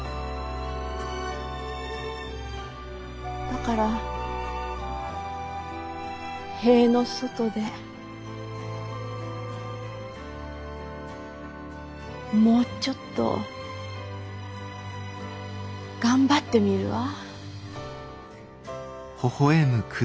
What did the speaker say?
だから塀の外でもうちょっと頑張ってみるわ。